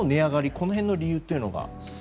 この辺の理由というのが。